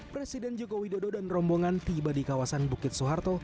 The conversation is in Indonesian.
presiden jokowi dodo dan rombongan tiba di kawasan bukit suharto